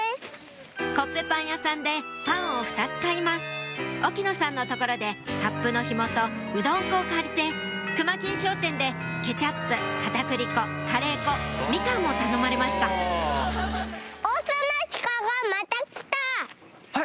コッペパン屋さんでパンを２つ買います沖野さんのところでサップのひもとうどん粉を借りてくま金商店でケチャップ片栗粉カレー粉みかんも頼まれましたはい！